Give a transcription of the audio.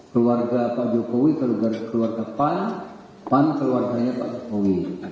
keluarga pak jokowi keluar ke pan pan keluarganya pak jokowi